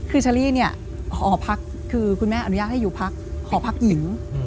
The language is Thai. คือเชอรี่เนี่ยหอพักคือคุณแม่อนุญาตให้อยู่พักหอพักหญิง